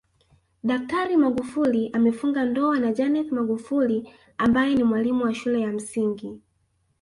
Daktari Magufuli amefunga ndoa na Janeth magufuli ambaye ni mwalimu wa shule ya msingi